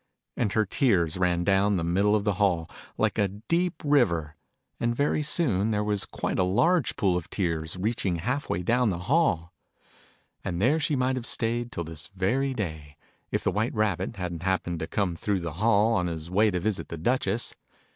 And her tears ran dow T n the middle of the hall, like a deep c Digitized by Google IO THE NURSERY "ALICE." river. And very soon there was quite a large Pool of Tears, reaching half way down the hall. And there she might have staid, till this very day, if the White Rabbit hadn't happened to come through the hall, on his way to visit the Duchess.